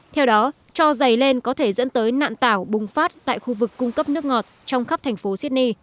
theo đó cho dày lên có thể dẫn tới nạn tảo bùng phát tại khu vực cung cấp nước ngọt trong khắp thành phố sydney